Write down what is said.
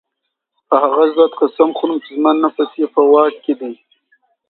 په هغه ذات قسم خورم چي زما نفس ئي په واك كي دی